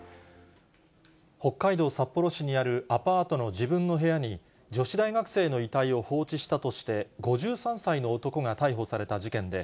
北海道札幌市にあるアパートの自分の部屋に、女子大学生の遺体を放置したとして、５３歳の男が逮捕された事件で、